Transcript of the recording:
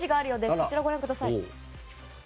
こちらをご覧ください。